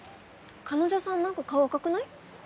彼女さんなんか顔赤くない？